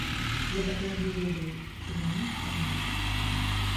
Я дакладна ведаю, што яны там ёсць.